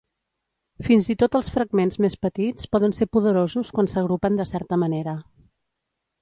Fins i tot els fragments més petits poden ser poderosos quan s'agrupen de certa manera.